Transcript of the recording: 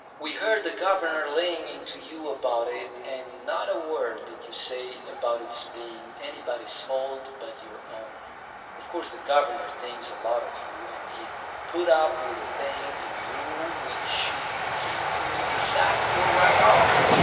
We heard the governor laying into you about it, and not a word did you say about it's being anybody's fault but your own. Of course the governor thinks a lot of you, and he'd put up with a thing in you which he'd give me the sack for right off.